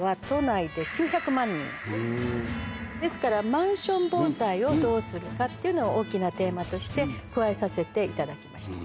ですからマンション防災をどうするかっていうのを大きなテーマとして加えさせていただきました。